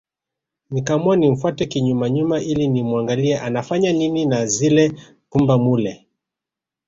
Nikaamua nimfuate kinyuma nyuma ili nimuangalie anafanya nini na zile pumba mule